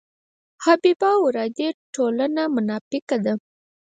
حبیبه ورا دې ټوله مناپیکه ده.